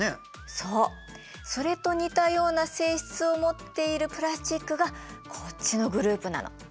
そうそれと似たような性質を持っているプラスチックがこっちのグループなの。